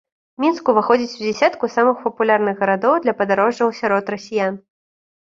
Мінск уваходзіць у дзясятку самых папулярных гарадоў для падарожжаў сярод расіян.